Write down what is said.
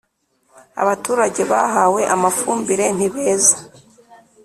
abaturage bahawe amafumbire ntibeza